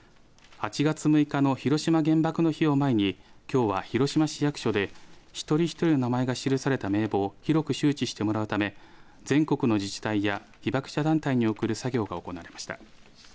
８月６日の広島原爆の日を前にきょうは広島市役所で１人ひとりの名前が記された名簿を広く周知してもらうため全国の自治体や被爆者団体に送る作業が行われました。